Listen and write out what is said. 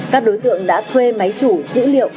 các đối tượng đã thuê máy chủ dữ liệu